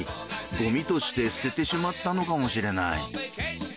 ゴミとして捨ててしまったのかもしれない。